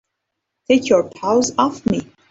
Take your paws off me!